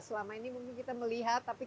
selama ini mungkin kita melihat tapi